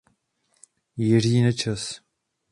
Jiří Nečas.